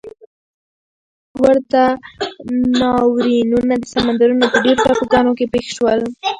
ورته ناورینونه د سمندرونو په ډېرو ټاپوګانو کې پېښ شول.